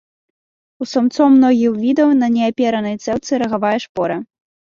У самцоў многіх відаў на неаперанай цэўцы рагавая шпора.